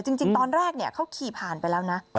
จริงตอนแรกเขาขี่ผ่านไปแล้วนะ